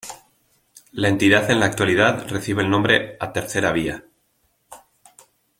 La entidad en la actualidad recibe el nombre a Tercera Vía.